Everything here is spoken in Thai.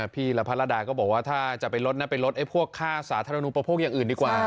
พี่ลภรดาก็บอกว่าถ้าจะไปลดไปลดค่าสาธารณูประโภคอย่างอื่นดีกว่า